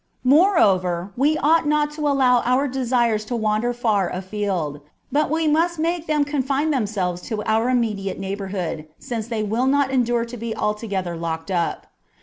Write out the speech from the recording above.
Moreover, we ought not to allow our desires to wander far afield, but we must make them confine themselves to our immediate neighbourhood, since they will not endure to be altogether locked up.